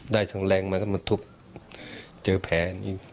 ได้สังแรงมันก็มันทุบเจอแผลนี่